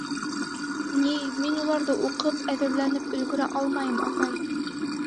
— Ни, мин уларҙы уҡып, әҙерләнеп өлгөрә алмайым, атай.